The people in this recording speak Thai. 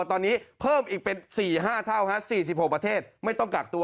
ตอนนี้เพิ่มอีกเป็น๔๕เท่า๔๖ประเทศไม่ต้องกักตัว